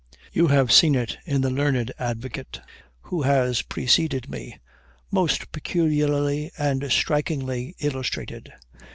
You have seen it in the learned advocate who has preceded me, most peculiarly and strikingly illustrated.